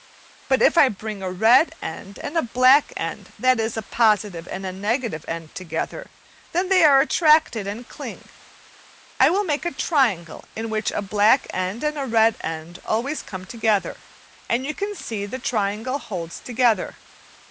But if I bring a red end and a black end, that is, a positive and a negative end together, then they are attracted and cling. I will make a triangle (A, Fig. 21) in which a black end and a red end always come together, and you see the triangle holds together.